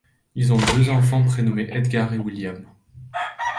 Ils ont deux enfants prénommés Edgar et William.